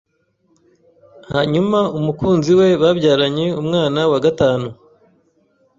hanyuma umukunzi we babyaranye umwana wa gatatu